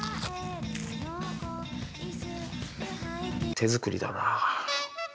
手作りだな。